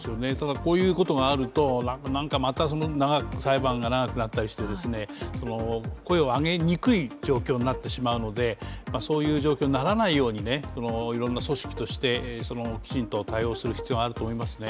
こういうことがあると、また裁判が長くなったりして、声を上げにくい状況になってしまうので、そういう状況にならないように、いろんな組織としてきちんと対応する必要があると思いますね。